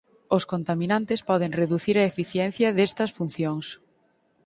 Os contaminantes poden reducir a eficiencia destas funcións.